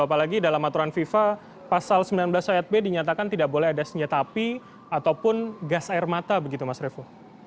apalagi dalam aturan fifa pasal sembilan belas ayat b dinyatakan tidak boleh ada senjata api ataupun gas air mata begitu mas revo